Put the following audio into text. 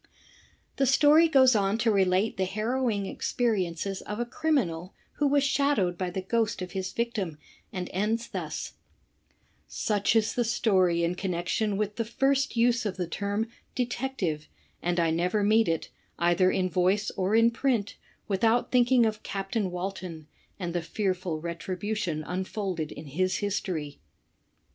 The story goes on to relate the harrowing experiences of a criminal who was shadowed by the ghost of his victim, and *ends thus: Such is the story in connection with the first use of the term "detective," and I never meet it, either in voice or in print, without thinking of Captain Walton, and the fearful retribution unfolded in his history.